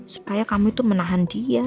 supaya kamu itu menahan dia